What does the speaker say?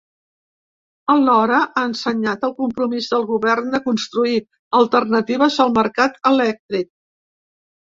Alhora ha assenyalat el compromís del govern de construir alternatives al mercat elèctric.